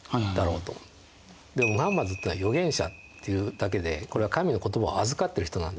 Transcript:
ムハンマドっていうのは預言者っていうだけでこれは神の言葉を預かってる人なんですね。